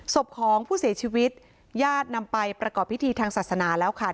ศพของผู้เสียชีวิตญาตินำไปประกอบพิธีทางศาสนาแล้วค่ะ